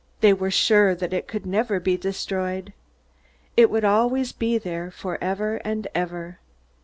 They were sure that it could never be destroyed. It would always be there, for ever and ever.